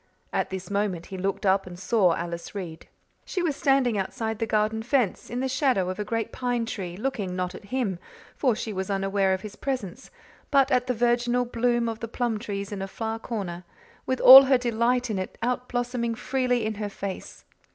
At this moment he looked up and saw Alice Reade. She was standing outside the garden fence, in the shadow of a great pine tree, looking not at him, for she was unaware of his presence, but at the virginal bloom of the plum trees in a far corner, with all her delight in it outblossoming freely in her face.